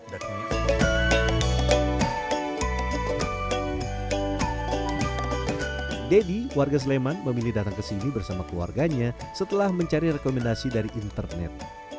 daddy warga sleman memilih datang kesini bersama keluarganya setelah mencari rekomendasi dari internet